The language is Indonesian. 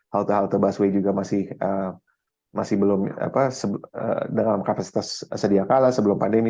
halte halte busway juga masih belum dengan kapasitas sedia kalah sebelum pandemi